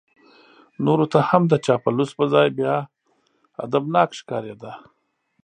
نورو ته هم د چاپلوس په ځای بیا ادبناک ښکارېده.